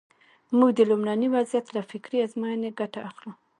موږ د لومړني وضعیت له فکري ازموینې ګټه اخلو.